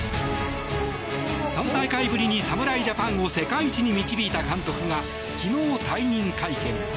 ３大会ぶりに侍ジャパンを世界一に導いた監督が昨日、退任会見。